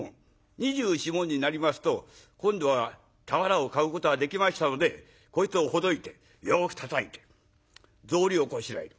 ２４文になりますと今度は俵を買うことができましたのでこいつをほどいてよくたたいて草履をこしらえる。